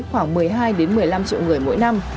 khoảng một mươi hai một mươi năm triệu người mỗi năm